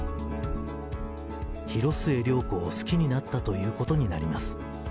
広末涼子を好きになったということになります。